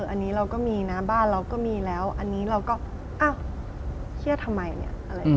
อันนี้เราก็มีนะบ้านเราก็มีแล้วอันนี้เราก็อ้าวเขี้ยทำไมเนี่ย